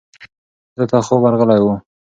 ده ته خوب ورغلی و.